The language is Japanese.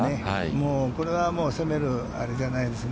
もうこれは攻めるあれじゃないですね。